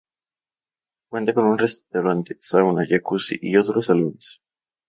Cuenta con un restaurante, sauna, jacuzzi y otros salones.